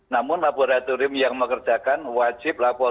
namun laboratorium yang mengerjakan wajib lapor